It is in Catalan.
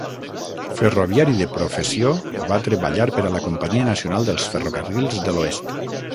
Ferroviari de professió, va treballar per a la Companyia Nacional dels Ferrocarrils de l'Oest.